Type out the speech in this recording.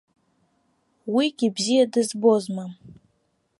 Уигьы бзиа дызбозма?